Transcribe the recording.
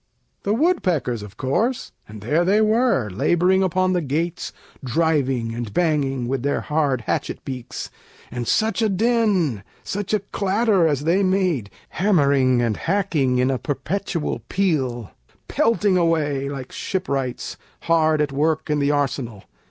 The woodpeckers, of course: and there they were, Laboring upon the gates, driving and banging, With their hard hatchet beaks, and such a din, Such a clatter, as they made, hammering and hacking, In a perpetual peal, pelting away Like shipwrights, hard at work in the arsenal.